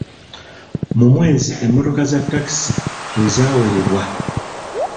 Mu mwezi emmotoka za takisi wezaawerwa.